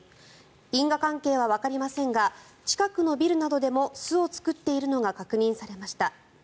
因果関係はわかりませんが近くのビルなどでも巣を作っているのが確認されました。